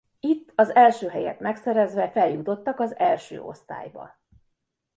Itt az első helyet megszerezve feljutottak az első osztályba.